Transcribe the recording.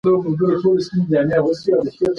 تېل او ګاز د نه تکرارېدونکو زېرمونو بېلګې دي.